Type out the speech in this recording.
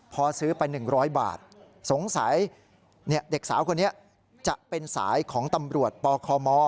พอซื้อไป๑๐๐บาทสงสัยเด็กสาวคนนี้จะเป็นสายของตำรวจปคม